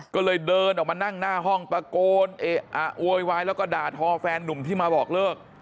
ก็เลยเดินออกมานั่งหน้าห้องตะโกนเอะอะโวยวายแล้วก็ด่าทอแฟนนุ่มที่มาบอกเลิก